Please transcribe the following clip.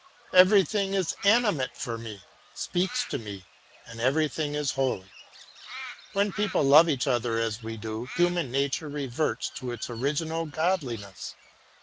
Everything is animate for me, speaks to me, and everything is holy. When people love each other as we do, human nature reverts to its original godliness.